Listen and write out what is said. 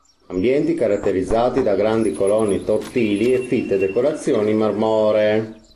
Ambienti caratterizzati da grandi colonne tortili e fitte decorazioni marmoree.